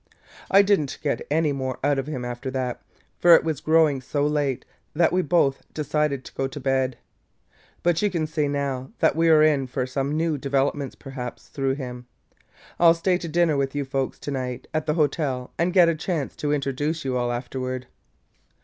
I did n't get any more out of him after that, for it was growing so late that we both decided to go to bed. But you can see now that we 're in for some new developments perhaps through him. I 'll stay to dinner with you folks to night at the hotel and get a chance to introduce you all afterward."